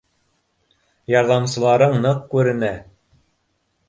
Ярҙамсыларың ныҡ күренә